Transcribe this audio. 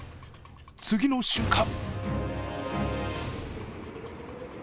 次の瞬間。